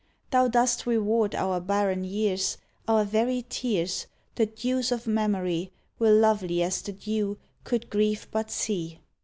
Thou dost reward our barren years: Our very tears — The dews of memory — Were lovely as the dew, could Grief but see.